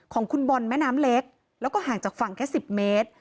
ของคุณบอลแม่น้ำเล็กแล้วก็ห่างจากฝั่งแค่๑๐เมตร